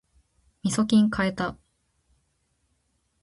みそきん買えた